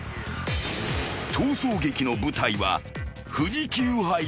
［逃走劇の舞台は］